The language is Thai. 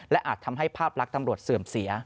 และอาจทำให้ภาพลักษณ์ตำรวจเสื่อมเสีย